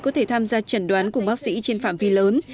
có thể tham gia chẩn đoán cùng bác sĩ trên phạm vi lớn